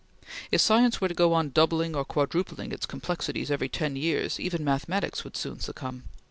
If science were to go on doubling or quadrupling its complexities every ten years, even mathematics would soon succumb.